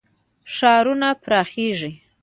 ښارونه پراخیږي.